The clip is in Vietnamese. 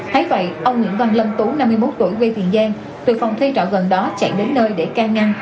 thấy vậy ông nguyễn văn lâm tú năm mươi một tuổi huyện tiền giang từ phòng thuê trọ gần đó chạy đến nơi để ca ngăn